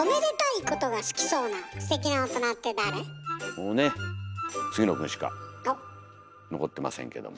もうね杉野くんしか残ってませんけども。